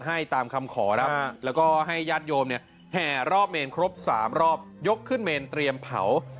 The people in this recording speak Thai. แล้วพระอภิษฐรมอยศห์ยดยมแห่รอบเมนครบ๓รอบและยกไปเรียนปรายเทียมเผา